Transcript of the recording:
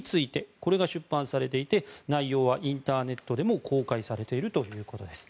これが出版されていて内容はインターネットでも公開されているということです。